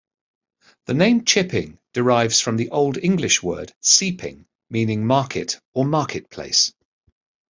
The name, "Chipping" derives from the Old English word "cieping" meaning 'market' or 'market-place'.